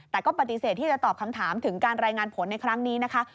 แต่ก็ปฏิเสธที่จะตอบคำถามถึงการรายงานผลในครั้งนี้นะคะ